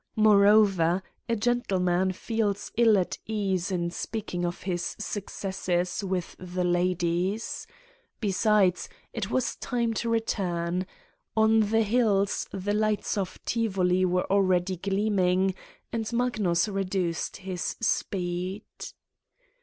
Moreover, a gentleman feels ill at ease in speaking of his success with the ladies. Besides, it was time to return : on the hills the lights of Tivoli were already gleaming and Magnus reduced his speed.